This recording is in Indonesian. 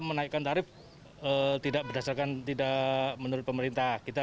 menaikkan tarif tidak berdasarkan tidak menurut pemerintah kita